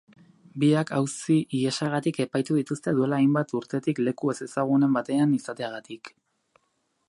Biak auzi-ihesagatik epaitu dituzte duela hainbat urtetik leku ezezagunen batean izateagatik.